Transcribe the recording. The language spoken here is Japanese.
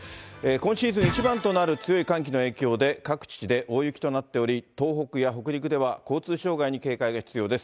今シーズン一番となる強い寒気の影響で各地で大雪となっており、東北や北陸では交通障害に警戒が必要です。